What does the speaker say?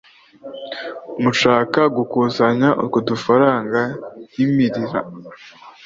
Mu gushaka gukusanya utwo dufaranga yimirira